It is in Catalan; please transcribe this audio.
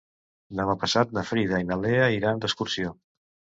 Demà passat na Frida i na Lea iran d'excursió.